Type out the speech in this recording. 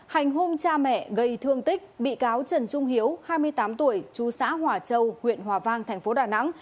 hành hôn cha mẹ gây thương tích bị cáo trần trung hiếu hai mươi tám tuổi chú xã hòa châu huyện hòa vang tp đà nẵng